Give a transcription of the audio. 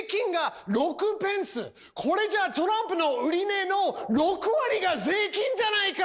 これじゃあトランプの売値の６割が税金じゃないか！